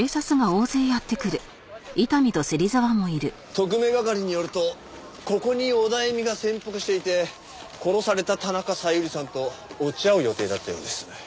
特命係によるとここにオダエミが潜伏していて殺された田中小百合さんと落ち合う予定だったようです。